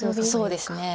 そうですね。